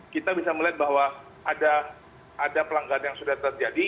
kita bisa melihat bahwa ada pelanggaran yang sudah terjadi